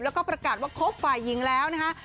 แล้วก็ประกาศว่าคบฝ่ายหญิงแล้วนะคะ